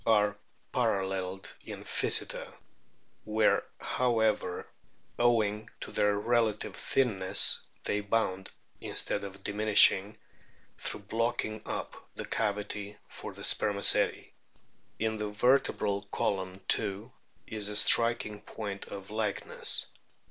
29) are paralleled in Pkyseter, where, however, owing to their relative thinness, they bound, instead of diminishing through blocking up, the cavity for the spermaceti. In the vertebral column too is a striking point of likeness.